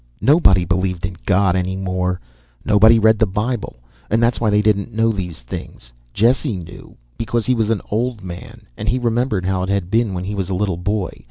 Nobody believed in God any more, nobody read the Bible, and that's why they didn't know these things. Jesse knew, because he was an old man and he remembered how it had been when he was a little boy.